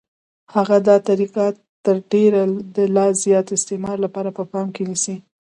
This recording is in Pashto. هغه دا طریقه تر ډېره د لا زیات استثمار لپاره په پام کې نیسي